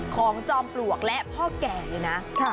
ของจอมปลวกและพ่อแก่นะ